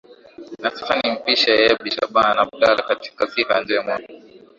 na sasa ni mpishe ebi shaban abdala katika siha njema